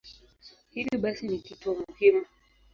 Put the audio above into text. Hivyo basi ni kituo muhimu.